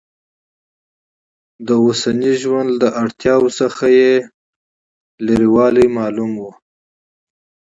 له اوسني ژوند له اړتیاوو څخه یې واټن جوت و.